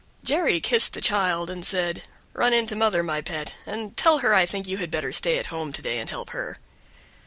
Jerry kissed the child and said, "Run in to mother, my pet, and tell her I think you had better stay at home to day and help her."